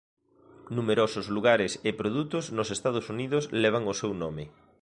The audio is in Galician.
Numerosos lugares e produtos nos Estados Unidos levan o seu nome.